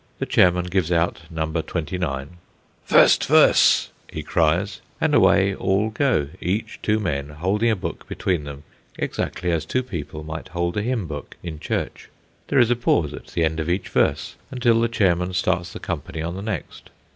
The chairman gives out number twenty nine. "First verse," he cries, and away all go, each two men holding a book between them exactly as two people might hold a hymn book in church. There is a pause at the end of each verse until the chairman starts the company on the next.